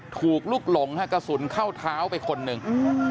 ถูกลุกหลงฮะกระสุนเข้าเท้าไปคนหนึ่ง